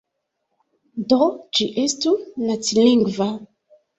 Do, ĝi estu nacilingva.